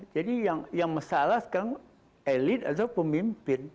jadi yang masalah sekarang elit atau pemimpin